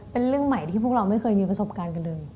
เป็นเรื่องใหม่ที่พวกเราไม่เคยมีประสบการณ์กันเลย